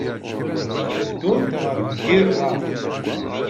Teddunt ɣer lgirra.